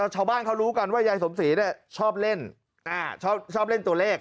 ชาวบ้านเขารู้กันว่ายายสมศรีชอบเล่นชอบเล่นตัวเลข